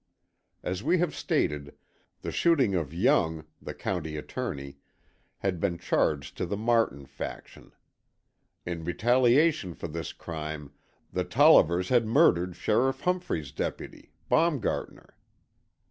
As we have stated, the shooting of Young, the County Attorney, had been charged to the Martin faction. In retaliation for this crime the Tollivers had murdered Sheriff Humphrey's deputy, Baumgartner.